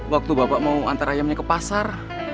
waktu bapak mau antar ayamnya ke pasar